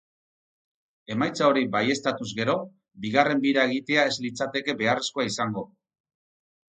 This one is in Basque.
Emaitza hori baieztatuz gero, bigarren bira egitea ez litzakete beharrezkoa izango.